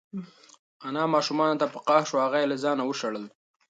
انا ماشوم ته په قهر شوه او هغه یې له ځانه وشړل.